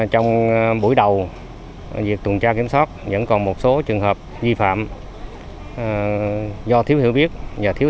trong buổi đầu việc tuần tra kiểm soát vẫn còn một số trường hợp vi phạm do thiếu hiểu biết và thiếu